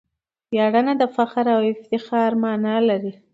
ویاړنه د فخر او افتخار مانا لري.